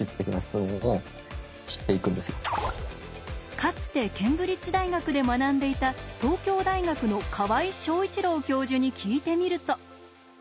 かつてケンブリッジ大学で学んでいた東京大学の河合祥一郎教授に聞いてみると。